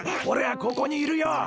おれはここにいるよ！